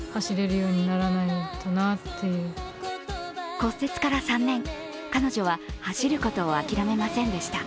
骨折から３年、彼女は走ることを諦めませんでした。